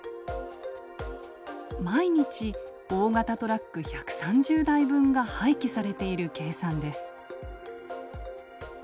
毎日大型トラック１３０台分が廃棄されている計算です。